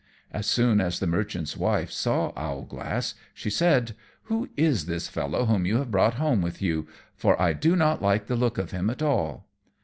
As soon as the merchant's wife saw Owlglass, she said, "Who is this fellow whom you have brought home with you, for I do not like the look of him at all?"